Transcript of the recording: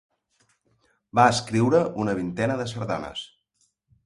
Va escriure una vintena de sardanes.